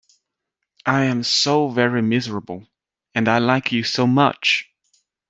I am so very miserable, and I like you so much!